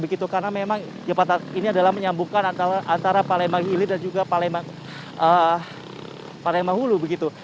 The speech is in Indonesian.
karena memang jembatan ini adalah menyambungkan antara palembang ilir dan juga palembang hulu